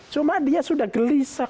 cuma dia sudah gelisah